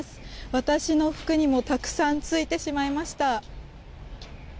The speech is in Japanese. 私の服にもたくさんついてしまいました。